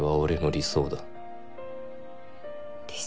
理想？